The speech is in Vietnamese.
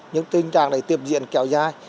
những tình trạng này tiệm diện kéo dai